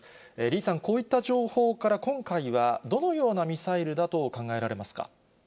リーさん、こういった情報から今回はどのようなミサイルだと考えられますか。